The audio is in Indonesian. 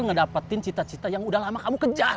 ngedapetin cita cita yang udah lama kamu kejar